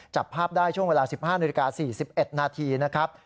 จับภาพได้ช่วงเวลา๑๕นาฬิกา๔๑นาทีนะครับ